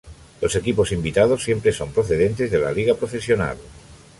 Los equipos invitados siempre son procedentes de la liga profesional.